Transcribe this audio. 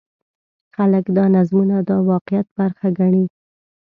خلک دا نظمونه د واقعیت برخه ګڼي.